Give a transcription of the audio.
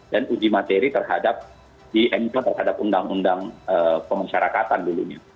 dan uji materi terhadap di emple terhadap undang undang pemasyarakatan dulunya